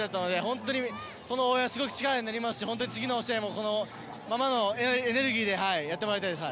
本当に応援がすごく力になりましたし次の試合もこのままのエネルギーやっていきたいです。